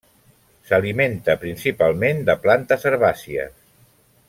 S'alimenta principalment de plantes herbàcies.